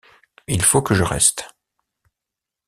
Il faut que je reste.